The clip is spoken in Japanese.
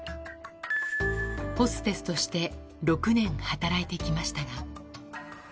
ホステスとして６年働いてきましたが。